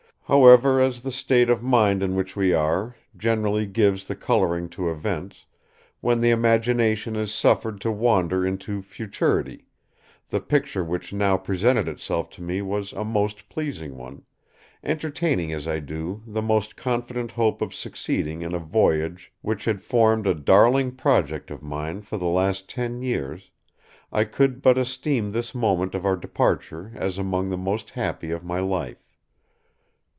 However as the state of mind in which we are, generally gives the coloring to events, when the imagination is suffered to wander into futurity, the picture which now presented itself to me was a most pleasing one, entertaining as I do the most confident hope of succeeding in a voyage which had formed a darling project of mine for the last ten years, I could but esteem this moment of our departure as among the most happy of my life."